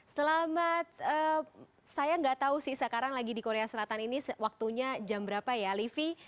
selamat saya nggak tahu sih sekarang lagi di korea selatan ini waktunya jam berapa ya livi